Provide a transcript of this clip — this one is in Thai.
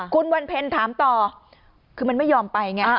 คุณวันเพ็ญถามต่อคือมันไม่ยอมไปไง